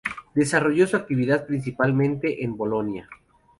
Desarrolló su actividad principalmente en Bolonia.